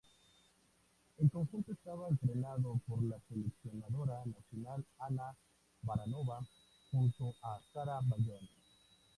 El conjunto estaba entrenado por la seleccionadora nacional Anna Baranova junto a Sara Bayón.